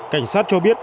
cảnh sát cho biết